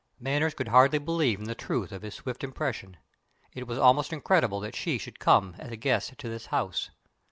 Manners could hardly believe in the truth of his swift impression. It was almost incredible that she should come as a guest to this house.